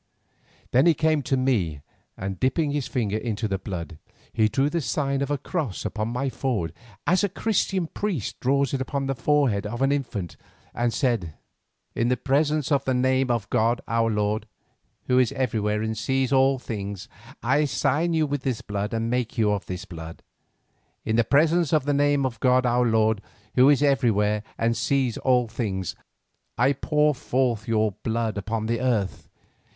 Then he came to me and dipping his finger into the blood, he drew the sign of a cross upon my forehead as a Christian priest draws it upon the forehead of an infant, and said: "In the presence and the name of god our lord, who is everywhere and sees all things, I sign you with this blood and make you of this blood. In the presence and the name of god our lord, who is everywhere and sees all things, I pour forth your blood upon the earth!"